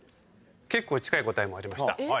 結構近い答えもありました。